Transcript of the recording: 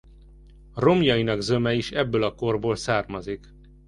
Romjainak zöme is ebből a korból származik.